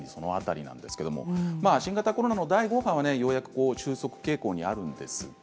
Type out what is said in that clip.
新型コロナの第５波はようやく収束傾向にあるんですが